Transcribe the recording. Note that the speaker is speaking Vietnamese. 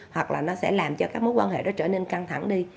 hoặc là nó sẽ làm cho các mối quan hệ đó trở nên căng thẳng đi